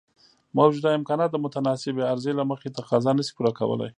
موجوده امکانات د متناسبې عرضې له مخې تقاضا نشي پوره کولای.